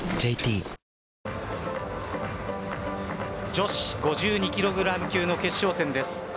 女子５２キログラム級の決勝戦です。